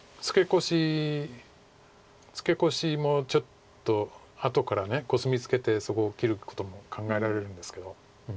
ツケコシもちょっと後からコスミツケてそこを切ることも考えられるんですけど。